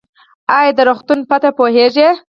ایا د روغتون پته پوهیږئ؟